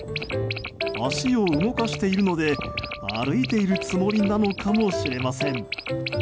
脚を動かしているので歩いているつもりなのかもしれません。